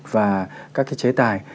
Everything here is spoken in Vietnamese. và các cái chế tài